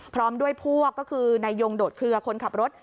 พร้อมด้วยพวกก็คือนายยงโดดเคลือคนขับรถ